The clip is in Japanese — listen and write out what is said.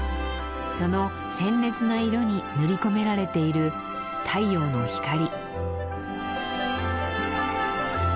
その鮮烈な色に塗り込められている太陽の光。